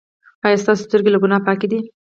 ایا ستاسو سترګې له ګناه پاکې دي؟